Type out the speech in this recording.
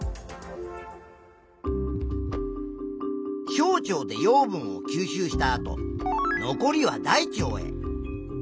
小腸で養分を吸収したあと残りは大腸へ。